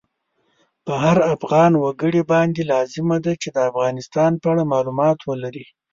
په هر افغان وګړی باندی لازمه ده چی د افغانستان په اړه مالومات ولری